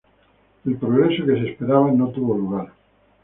El progreso que se esperaba no tuvo lugar.